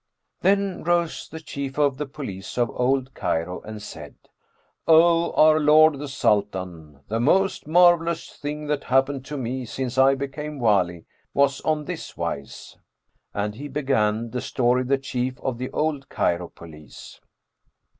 Then rose the Chief of the Police of Old Cairo and said, "O our lord the Sultan, the most marvellous thing that happened to me, since I became Wali, was on this wise;" and he began The Story of the Chief of the Old Cairo Police.